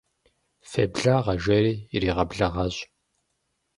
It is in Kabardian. Феблагъэ, жери иригъэблэгъащ.